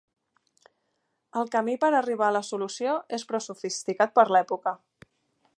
El camí per arribar a la solució és prou sofisticat per l'època.